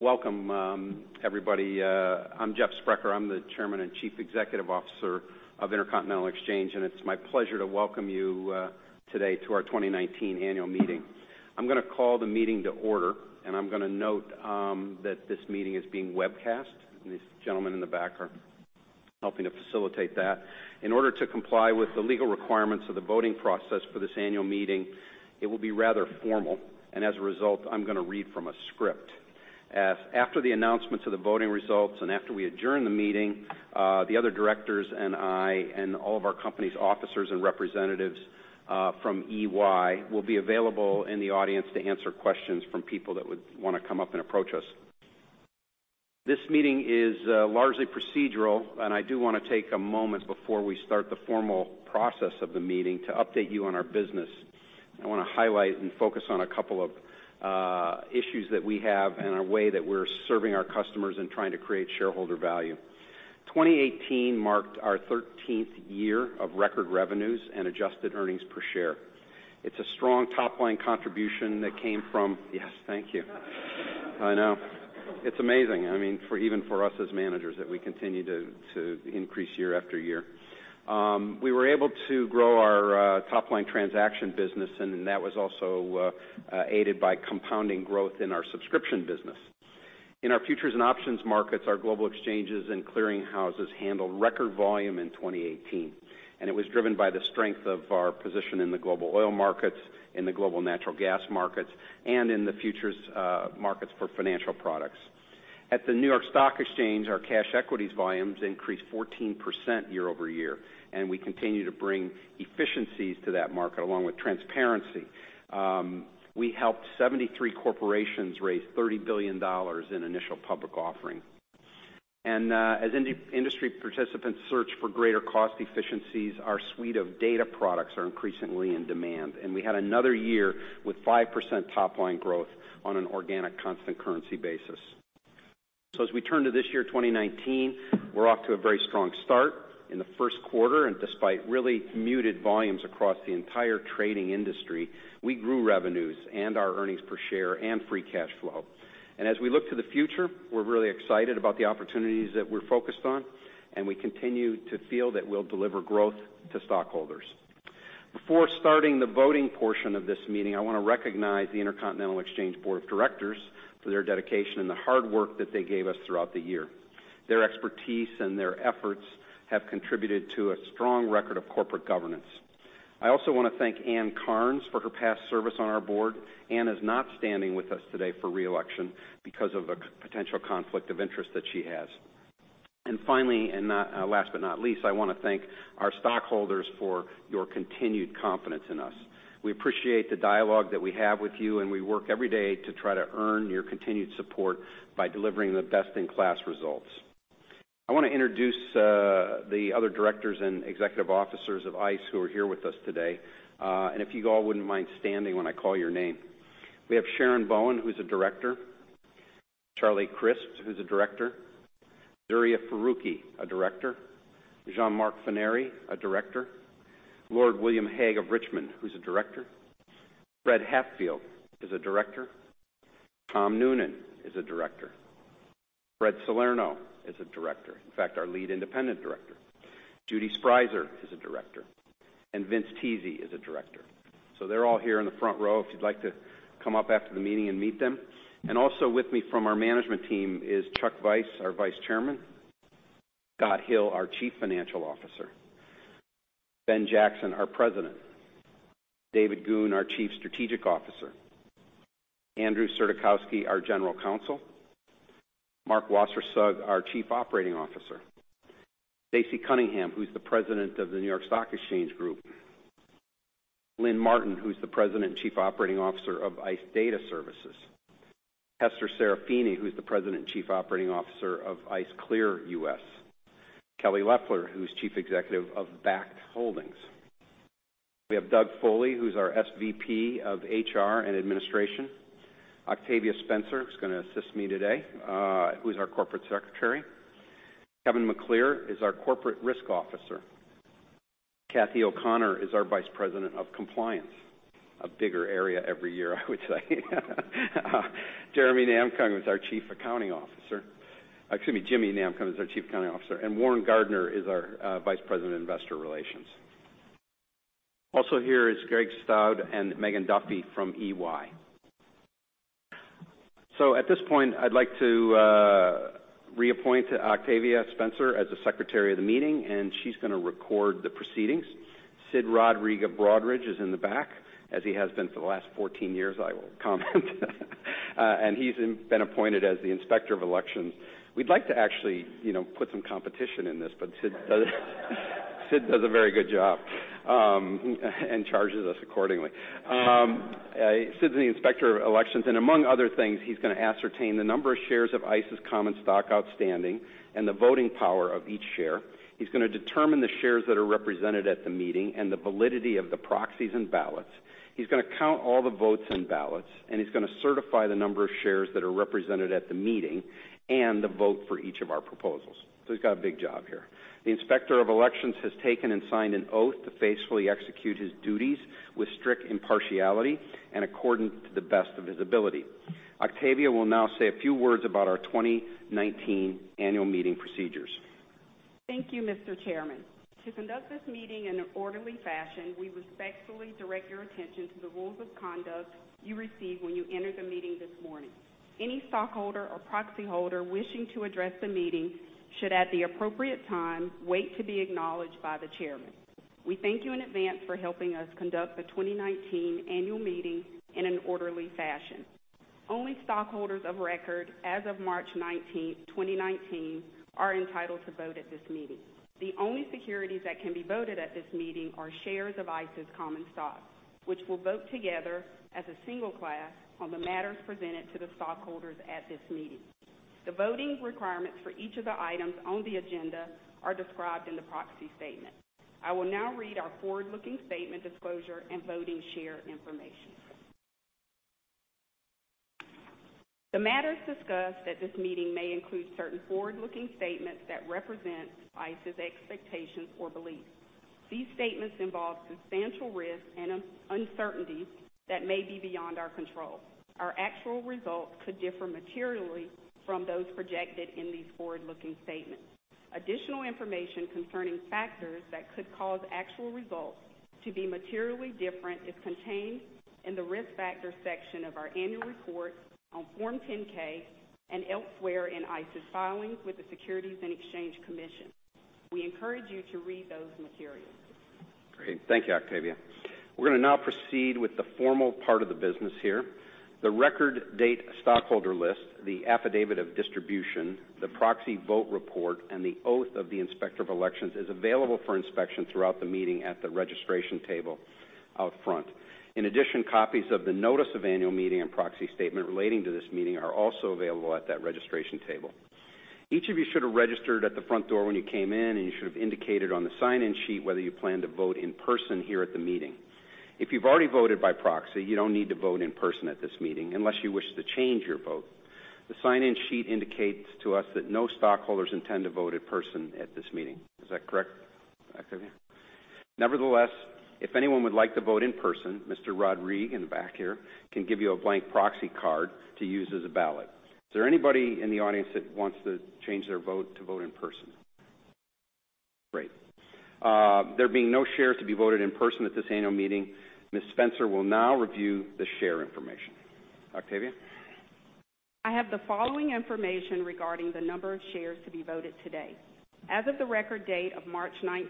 Welcome, everybody. I'm Jeff Sprecher. I'm the Chairman and Chief Executive Officer of Intercontinental Exchange, and it's my pleasure to welcome you today to our 2019 annual meeting. I'm going to call the meeting to order, and I'm going to note that this meeting is being webcast. These gentlemen in the back are helping to facilitate that. In order to comply with the legal requirements of the voting process for this annual meeting, it will be rather formal, and as a result, I'm going to read from a script. After the announcement of the voting results and after we adjourn the meeting, the other directors and I and all of our company's officers and representatives from EY will be available in the audience to answer questions from people that would want to come up and approach us. This meeting is largely procedural, and I do want to take a moment before we start the formal process of the meeting to update you on our business. I want to highlight and focus on a couple of issues that we have and our way that we're serving our customers and trying to create shareholder value. 2018 marked our 13th year of record revenues and adjusted earnings per share. It's a strong top-line contribution that came from. Yes. Thank you. I know. It's amazing. Even for us as managers, that we continue to increase year after year. We were able to grow our top-line transaction business, and that was also aided by compounding growth in our subscription business. In our futures and options markets, our global exchanges and clearing houses handled record volume in 2018, and it was driven by the strength of our position in the global oil markets, in the global natural gas markets, and in the futures markets for financial products. At the New York Stock Exchange, our cash equities volumes increased 14% year-over-year, and we continue to bring efficiencies to that market along with transparency. We helped 73 corporations raise $30 billion in initial public offering. As industry participants search for greater cost efficiencies, our suite of data products are increasingly in demand, and we had another year with 5% top-line growth on an organic, constant currency basis. As we turn to this year, 2019, we're off to a very strong start. In the first quarter, and despite really muted volumes across the entire trading industry, we grew revenues and our earnings per share and free cash flow. As we look to the future, we're really excited about the opportunities that we're focused on, and we continue to feel that we'll deliver growth to stockholders. Before starting the voting portion of this meeting, I want to recognize the Intercontinental Exchange Board of Directors for their dedication and the hard work that they gave us throughout the year. Their expertise and their efforts have contributed to a strong record of corporate governance. I also want to thank Ann Cairns for her past service on our board. Ann is not standing with us today for re-election because of a potential conflict of interest that she has. Finally, and last but not least, I want to thank our stockholders for your continued confidence in us. We appreciate the dialogue that we have with you, and we work every day to try to earn your continued support by delivering the best-in-class results. I want to introduce the other directors and executive officers of ICE who are here with us today. If you all wouldn't mind standing when I call your name. We have Sharon Bowen, who's a director. Charles Crisp, who's a director. Duriya Farooqui, a director. Jean-Marc Forneri, a director. Lord William Hague of Richmond, who's a director. Fred Hatfield is a director. Tom Noonan is a director. Fred Salerno is a director, in fact, our lead independent director. Judy Sprieser is a director, and Vince Tese is a director. Also with me from our management team is Chuck Vice, our Vice Chairman. Scott Hill, our Chief Financial Officer. Ben Jackson, our President. David Goone, our Chief Strategic Officer. Andrew Surdykowski, our General Counsel. Mark Wassersug, our Chief Operating Officer. Stacey Cunningham, who's the President of the New York Stock Exchange Group. Lynn Martin, who's the President and Chief Operating Officer of ICE Data Services. Hester Serafini, who's the President and Chief Operating Officer of ICE Clear US. Kelly Loeffler, who's Chief Executive of Bakkt Holdings. We have Doug Foley, who's our SVP of HR and Administration. Octavia Spencer, who's going to assist me today, who's our Corporate Secretary. Kevin McClear is our Corporate Risk Officer. Kelly O'Connor is our Vice President of Compliance. A bigger area every year, I would say. James Namkung is our Chief Accounting Officer. Excuse me, James Namkung is our Chief Accounting Officer. Warren Gardiner is our Vice President of Investor Relations. Also here is Greg Stoudt and Megan Duffy from EY. At this point, I'd like to reappoint Octavia Spencer as the secretary of the meeting, and she's going to record the proceedings. Sid Rodrigue, Broadridge is in the back, as he has been for the last 14 years, I will comment. He's been appointed as the inspector of elections. We'd like to actually put some competition in this, but Sid does a very good job, and charges us accordingly. Sid's the inspector of elections, and among other things, he's going to ascertain the number of shares of ICE's common stock outstanding and the voting power of each share. He's going to determine the shares that are represented at the meeting and the validity of the proxies and ballots. He's going to count all the votes and ballots, and he's going to certify the number of shares that are represented at the meeting and the vote for each of our proposals. He's got a big job here. The Inspector of Elections has taken and signed an oath to faithfully execute his duties with strict impartiality and according to the best of his ability. Octavia will now say a few words about our 2019 annual meeting procedures. Thank you, Mr. Chairman. To conduct this meeting in an orderly fashion, we respectfully direct your attention to the rules of conduct you received when you entered the meeting this morning. Any stockholder or proxy holder wishing to address the meeting should, at the appropriate time, wait to be acknowledged by the chairman. We thank you in advance for helping us conduct the 2019 annual meeting in an orderly fashion. Only stockholders of record as of March 19th, 2019, are entitled to vote at this meeting. The only securities that can be voted at this meeting are shares of ICE's common stock, which will vote together as a single class on the matters presented to the stockholders at this meeting. The voting requirements for each of the items on the agenda are described in the proxy statement. I will now read our forward-looking statement disclosure and voting share information. The matters discussed at this meeting may include certain forward-looking statements that represent ICE's expectations or beliefs. These statements involve substantial risks and uncertainties that may be beyond our control. Our actual results could differ materially from those projected in these forward-looking statements. Additional information concerning factors that could cause actual results to be materially different is contained in the Risk Factors section of our annual report on Form 10-K and elsewhere in ICE's filings with the Securities and Exchange Commission. We encourage you to read those materials. Great. Thank you, Octavia. We're going to now proceed with the formal part of the business here. The record date stockholder list, the affidavit of distribution, the proxy vote report, and the oath of the Inspector of Elections is available for inspection throughout the meeting at the registration table out front. In addition, copies of the notice of annual meeting and proxy statement relating to this meeting are also available at that registration table. Each of you should have registered at the front door when you came in, and you should have indicated on the sign-in sheet whether you plan to vote in person here at the meeting. If you've already voted by proxy, you don't need to vote in person at this meeting unless you wish to change your vote. The sign-in sheet indicates to us that no stockholders intend to vote in person at this meeting. Is that correct, Octavia? Nevertheless, if anyone would like to vote in person, Mr. Rodrigue in the back here, can give you a blank proxy card to use as a ballot. Is there anybody in the audience that wants to change their vote to vote in person? Great. There being no shares to be voted in person at this annual meeting, Ms. Spencer will now review the share information. Octavia? I have the following information regarding the number of shares to be voted today. As of the record date of March 19,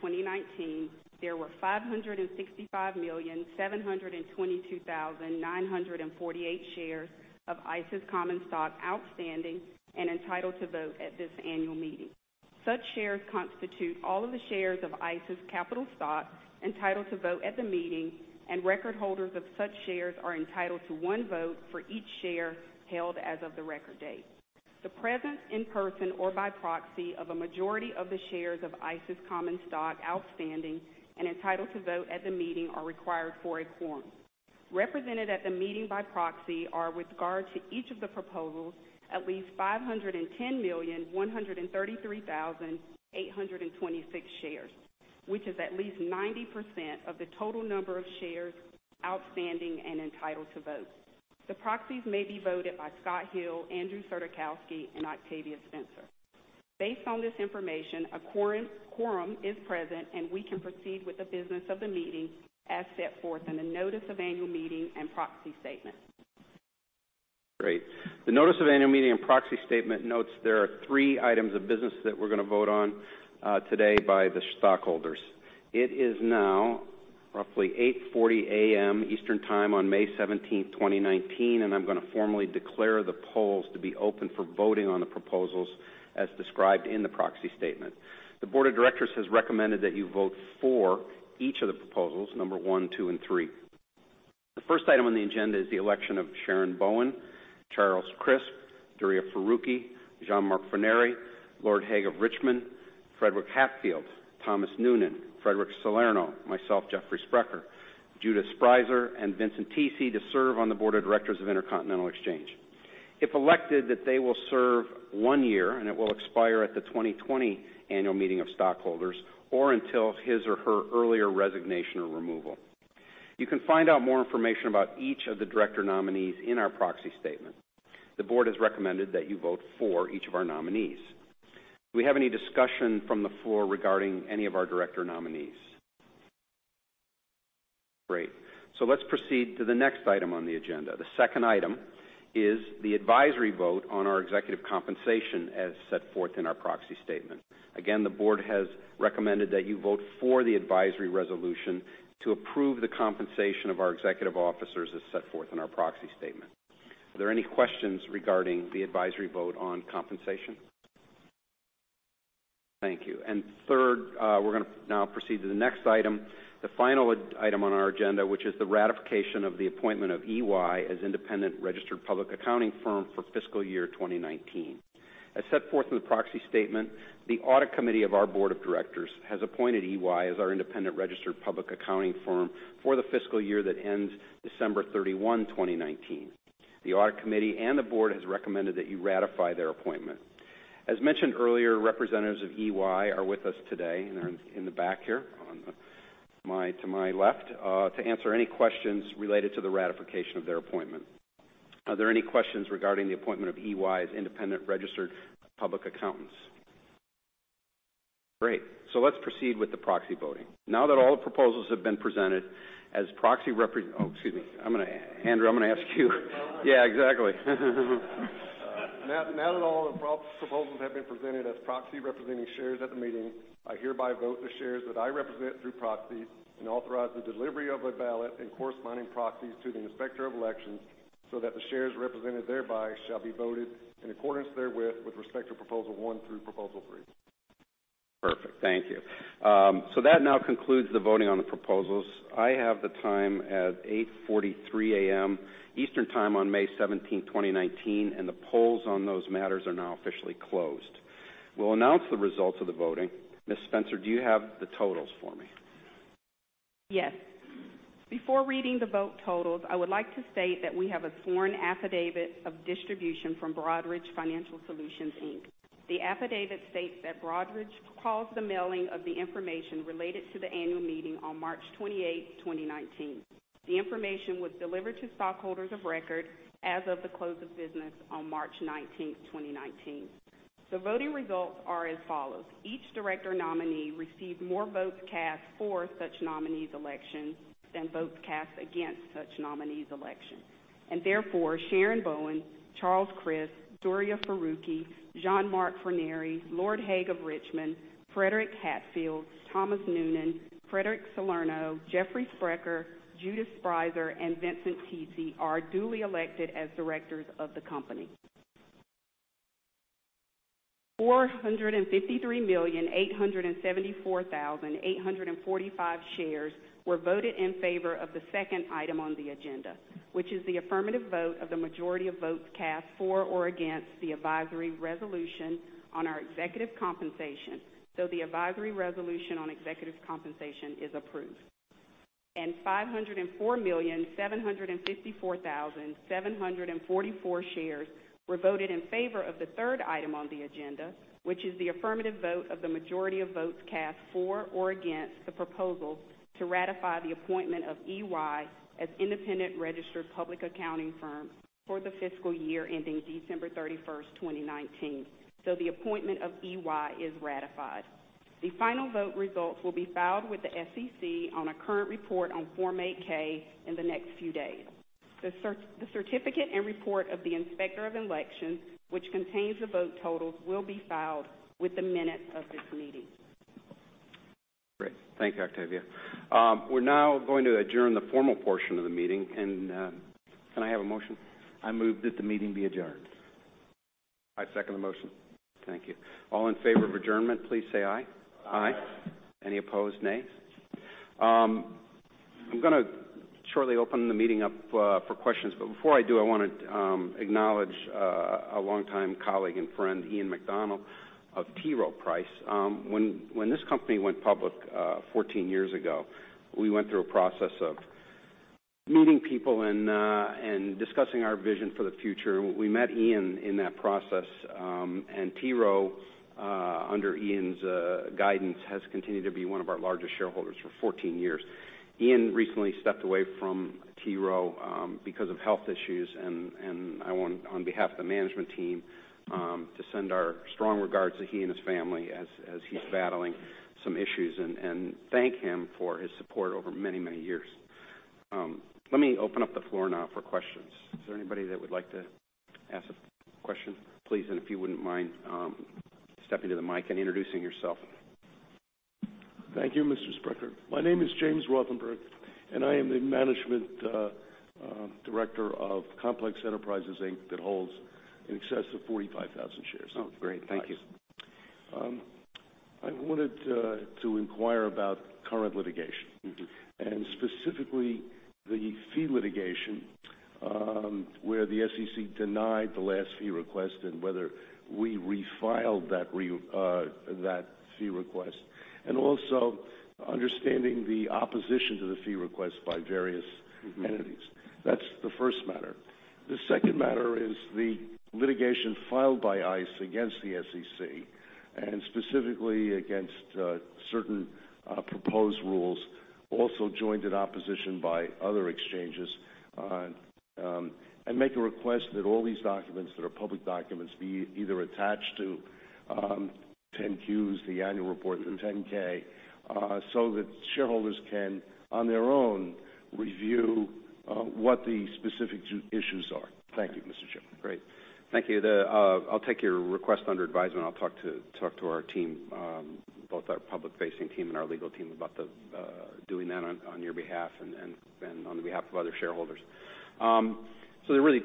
2019, there were 565,722,948 shares of ICE's common stock outstanding and entitled to vote at this annual meeting. Such shares constitute all of the shares of ICE's capital stock entitled to vote at the meeting, and record holders of such shares are entitled to one vote for each share held as of the record date. The presence in person or by proxy of a majority of the shares of ICE's common stock outstanding and entitled to vote at the meeting are required for a quorum. Represented at the meeting by proxy are, with regard to each of the proposals, at least 510,133,826 shares, which is at least 90% of the total number of shares outstanding and entitled to vote. The proxies may be voted by Scott Hill, Andrew Surdykowski, and Octavia Spencer. Based on this information, a quorum is present, and we can proceed with the business of the meeting as set forth in the notice of annual meeting and proxy statement. Great. The notice of annual meeting and proxy statement notes there are three items of business that we're going to vote on today by the stockholders. It is now roughly 8:40 A.M. Eastern Time on May 17, 2019, and I'm going to formally declare the polls to be open for voting on the proposals as described in the proxy statement. The board of directors has recommended that you vote for each of the proposals, number one, two, and three. The first item on the agenda is the election of Sharon Bowen, Charles Crisp, Duriya Farooqui, Jean-Marc Forneri, Lord Hague of Richmond, Frederick Hatfield, Thomas Noonan, Frederic Salerno, myself, Jeffrey Sprecher, Judith A. Sprieser, and Vincent Tese to serve on the board of directors of Intercontinental Exchange. If elected, they will serve one year, and it will expire at the 2020 annual meeting of stockholders or until his or her earlier resignation or removal. You can find out more information about each of the director nominees in our proxy statement. The board has recommended that you vote for each of our nominees. Do we have any discussion from the floor regarding any of our director nominees? Great. Let's proceed to the next item on the agenda. The second item is the advisory vote on our executive compensation as set forth in our proxy statement. Again, the board has recommended that you vote for the advisory resolution to approve the compensation of our executive officers as set forth in our proxy statement. Are there any questions regarding the advisory vote on compensation? Thank you. Third, we're going to now proceed to the next item, the final item on our agenda, which is the ratification of the appointment of EY as independent registered public accounting firm for fiscal year 2019. As set forth in the proxy statement, the audit committee of our board of directors has appointed EY as our independent registered public accounting firm for the fiscal year that ends December 31, 2019. The audit committee and the board has recommended that you ratify their appointment. As mentioned earlier, representatives of EY are with us today, and they're in the back here to my left, to answer any questions related to the ratification of their appointment. Are there any questions regarding the appointment of EY as independent registered public accountants? Great. Let's proceed with the proxy voting. Now that all the proposals have been presented as proxy. Oh, excuse me. Andrew, I'm going to ask you. No. Yeah, exactly. Now that all the proposals have been presented as proxy representing shares at the meeting, I hereby vote the shares that I represent through proxy and authorize the delivery of a ballot and corresponding proxies to the Inspector of Elections so that the shares represented thereby shall be voted in accordance therewith with respect to proposal one through proposal three. Perfect. Thank you. That now concludes the voting on the proposals. I have the time at 8:43 A.M. Eastern Time on May 17th, 2019. The polls on those matters are now officially closed. We'll announce the results of the voting. Ms. Spencer, do you have the totals for me? Yes. Before reading the vote totals, I would like to state that we have a sworn affidavit of distribution from Broadridge Financial Solutions, Inc. The affidavit states that Broadridge caused the mailing of the information related to the annual meeting on March 28th, 2019. The information was delivered to stockholders of record as of the close of business on March 19th, 2019. The voting results are as follows. Each director nominee received more votes cast for such nominee's election than votes cast against such nominee's election. Therefore, Sharon Bowen, Charles Crisp, Duriya Farooqui, Jean-Marc Forneri, Lord Hague of Richmond, Frederick Hatfield, Thomas Noonan, Frederic Salerno, Jeffrey Sprecher, Judith Sprieser, and Vincent Tese are duly elected as directors of the company. 453,874,845 shares were voted in favor of the second item on the agenda, which is the affirmative vote of the majority of votes cast for or against the advisory resolution on our executive compensation. The advisory resolution on executive compensation is approved. 504,754,744 shares were voted in favor of the third item on the agenda, which is the affirmative vote of the majority of votes cast for or against the proposals to ratify the appointment of EY as independent registered public accounting firm for the fiscal year ending December 31st, 2019. The appointment of EY is ratified. The final vote results will be filed with the SEC on a current report on Form 8-K in the next few days. The certificate and report of the Inspector of Elections, which contains the vote totals, will be filed with the minutes of this meeting. Great. Thank you, Octavia. We're now going to adjourn the formal portion of the meeting. Can I have a motion? I move that the meeting be adjourned. I second the motion. Thank you. All in favor of adjournment, please say aye. Aye. Any opposed, nay. I'm gonna shortly open the meeting up for questions, before I do, I want to acknowledge a longtime colleague and friend, Ian McDonald of T. Rowe Price. When this company went public 14 years ago, we went through a process of meeting people and discussing our vision for the future, and we met Ian in that process. T. Rowe, under Ian's guidance, has continued to be one of our largest shareholders for 14 years. Ian recently stepped away from T. Rowe because of health issues, and I want, on behalf of the management team, to send our strong regards to he and his family as he's battling some issues and thank him for his support over many, many years. Let me open up the floor now for questions. Is there anybody that would like to ask a question, please? If you wouldn't mind stepping to the mic and introducing yourself. Thank you, Mr. Sprecher. My name is James Rothenberg, I am the management director of Complex Enterprises, Inc., that holds in excess of 45,000 shares. Great. Thank you. I wanted to inquire about current litigation. Specifically, the fee litigation, where the SEC denied the last fee request and whether we refiled that fee request, also understanding the opposition to the fee request by various entities. That's the first matter. The second matter is the litigation filed by ICE against the SEC and specifically against certain proposed rules, also joined in opposition by other exchanges, and make a request that all these documents that are public documents be either attached to 10-Qs, the annual report, or the 10-K so that shareholders can, on their own, review what the specific issues are. Thank you, Mr. Chairman. Great. Thank you. I'll take your request under advisement. I'll talk to our team, both our public-facing team and our legal team, about doing that on your behalf and on the behalf of other shareholders. There are really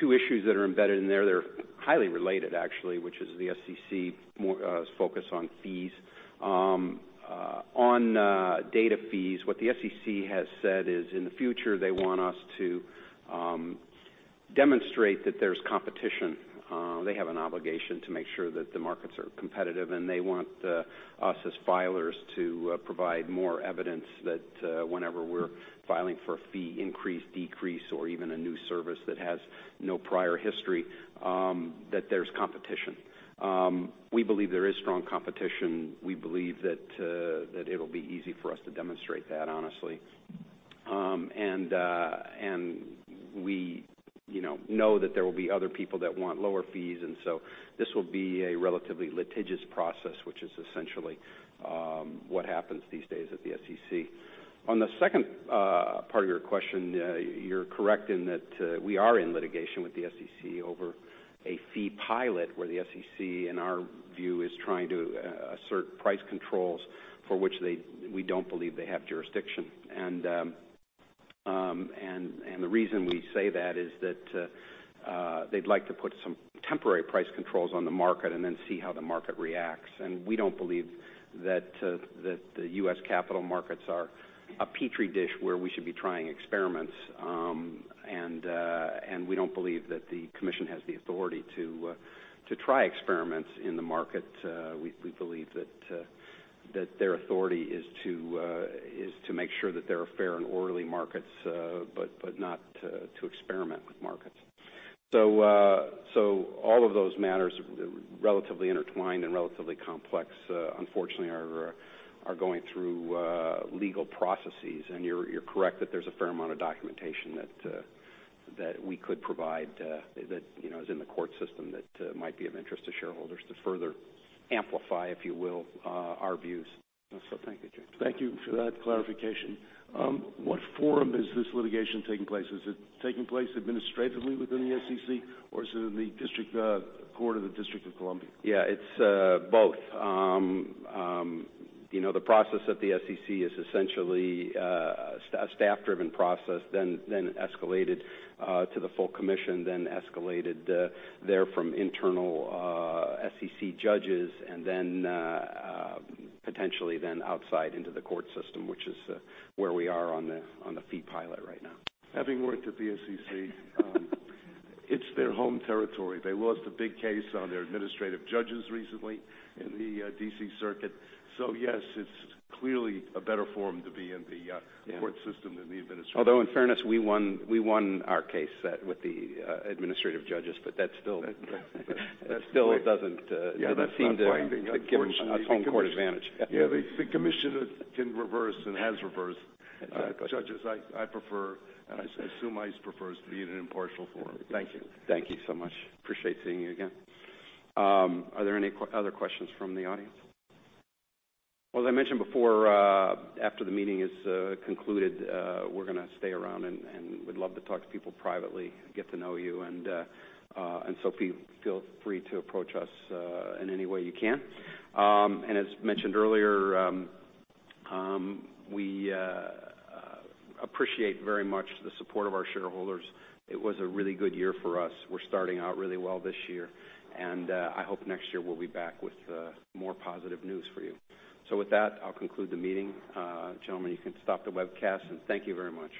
two issues that are embedded in there. They're highly related, actually, which is the SEC's focus on fees. On data fees, what the SEC has said is in the future, they want us to demonstrate that there's competition. They have an obligation to make sure that the markets are competitive, and they want us as filers to provide more evidence that whenever we're filing for a fee increase, decrease, or even a new service that has no prior history, that there's competition. We believe there is strong competition. We believe that it'll be easy for us to demonstrate that, honestly. We know that there will be other people that want lower fees, this will be a relatively litigious process, which is essentially what happens these days at the SEC. On the second part of your question, you're correct in that we are in litigation with the SEC over a fee pilot where the SEC, in our view, is trying to assert price controls for which we don't believe they have jurisdiction. The reason we say that is that they'd like to put some temporary price controls on the market then see how the market reacts. We don't believe that the U.S. capital markets are a Petri dish where we should be trying experiments. We don't believe that the commission has the authority to try experiments in the market. We believe that their authority is to make sure that there are fair and orderly markets, not to experiment with markets. All of those matters, relatively intertwined and relatively complex, unfortunately, are going through legal processes. You're correct that there's a fair amount of documentation that we could provide that is in the court system that might be of interest to shareholders to further amplify, if you will, our views. Thank you, Jim. Thank you for that clarification. What forum is this litigation taking place? Is it taking place administratively within the SEC, or is it in the court of the District of Columbia? Yeah, it's both. The process at the SEC is essentially a staff-driven process, then escalated to the full commission, then escalated there from internal SEC judges, and then potentially then outside into the court system, which is where we are on the fee pilot right now. Having worked at the SEC, it's their home territory. They lost a big case on their administrative judges recently in the D.C. circuit. Yes, it's clearly a better forum to be in the court system than the administrative. In fairness, we won our case with the administrative judges. That's right. That still doesn't. Yeah, that's not binding. Seem to give us home court advantage. Yeah. Yeah. The commission can reverse and has reversed. That's right. judges. I prefer, and I assume ICE prefers, to be in an impartial forum. Thank you. Thank you so much. Appreciate seeing you again. Are there any other questions from the audience? Well, as I mentioned before, after the meeting is concluded, we're going to stay around and would love to talk to people privately, get to know you. Feel free to approach us in any way you can. As mentioned earlier, we appreciate very much the support of our shareholders. It was a really good year for us. We're starting out really well this year, and I hope next year we'll be back with more positive news for you. With that, I'll conclude the meeting. Gentlemen, you can stop the webcast, and thank you very much.